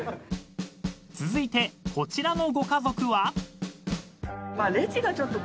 ［続いてこちらのご家族は？］